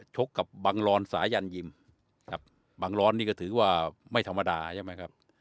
กับบังรอนสายันยิมครับบังร้อนนี่ก็ถือว่าไม่ธรรมดาใช่ไหมครับ